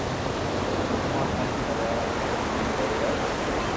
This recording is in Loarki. مني ڪون تنگ ڪريئا ھارون نوم لئي لي